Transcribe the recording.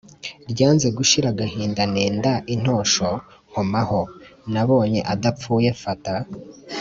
ryanze gushira agahinda nenda intosho nkomaho: nabonye adapfuye mfata